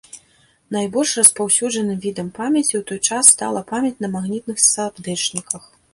Найбольш распаўсюджаным відам памяці ў той час стала памяць на магнітных сардэчніках.